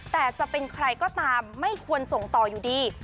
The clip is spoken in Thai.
แต่จะเป็นใครก็ตามไม่ควรส่งต่ออยู่ดี